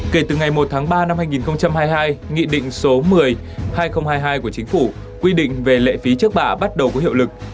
kể từ ngày một tháng ba năm hai nghìn hai mươi hai nghị định số một mươi hai nghìn hai mươi hai của chính phủ quy định về lệ phí trước bạ bắt đầu có hiệu lực